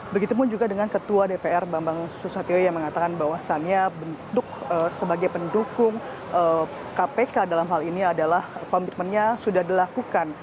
begitupun juga dengan ketua dpr bambang susatyo yang mengatakan bahwasannya bentuk sebagai pendukung kpk dalam hal ini adalah komitmennya sudah dilakukan